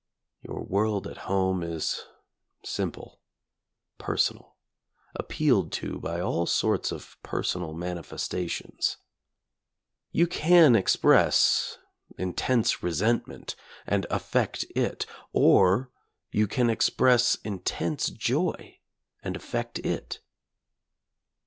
Your world at home is simple, personal, appealed to by all sorts of personal manifesta tions. You can express intense resentment and affect it, or you can express intense joy and af fect it.